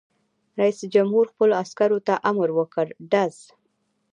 رئیس جمهور خپلو عسکرو ته امر وکړ؛ ډز!